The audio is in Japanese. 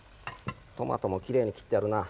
トマトもきれいに切ってあるな。